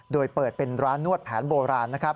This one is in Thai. โดยเปิดเป็นร้านนวดแผนโบราณนะครับ